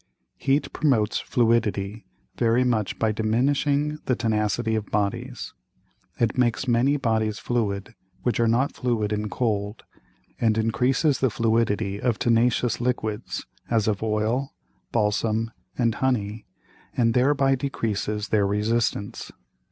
Heat promotes Fluidity very much by diminishing the Tenacity of Bodies. It makes many Bodies fluid which are not fluid in cold, and increases the Fluidity of tenacious Liquids, as of Oil, Balsam, and Honey, and thereby decreases their Resistance.